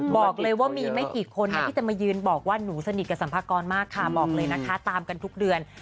บอกเลยว่ามีไม่กี่คนที่จะมายืนบอกว่าหนูสนิทกับสัมภากรมากค่ะบอกเลยนะคะตามกันทุกเดือน